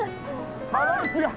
バランスが。